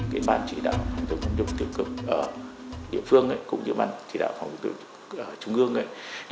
cái ban chỉ đạo phòng chống tham dụng tiêu cực ở địa phương cũng như ban chỉ đạo phòng chống tham dụng trung ương